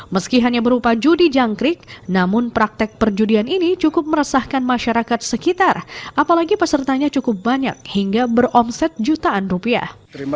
meski hanya berupa judi jangkrik namun praktek perjudian ini cukup meresahkan masyarakat sekitar apalagi pesertanya cukup banyak hingga beromset jutaan rupiah